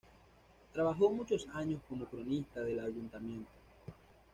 Trabajó muchos años como Cronista del Ayuntamiento.